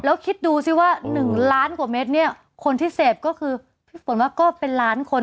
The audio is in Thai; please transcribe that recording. แล้วคิดดูสิว่า๑ล้านกว่าเม็ดเนี่ยคนที่เสพก็คือพี่ฝนว่าก็เป็นล้านคน